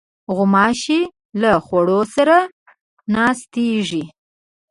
غوماشې له خوړو سره ناستېږي.